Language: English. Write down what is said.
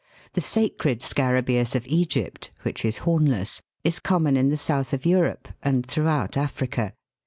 The sacred Scarabseus of Egypt (Fig. 46), which is hornless, is common in the south of Europe, and throughout Africa.